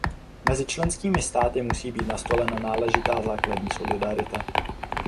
Mezi členskými státy musí být nastolena náležitá základní solidarita.